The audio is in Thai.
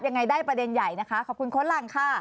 ยังไงได้ประเด็นใหญ่นะคะขอบคุณโค้ดหลังค่ะ